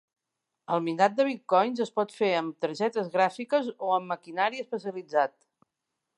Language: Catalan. El minat de bitcoins es pot fer amb targetes gràfiques o amb maquinari especialitzat.